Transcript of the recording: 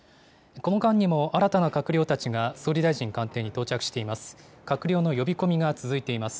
この間にも新たな閣僚たちが総理大臣官邸に到着しています。